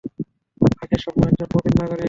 রাকেশ শর্মা, একজন প্রবীণ নাগরিক।